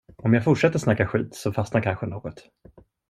Om jag fortsätter snacka skit, så fastnar kanske något.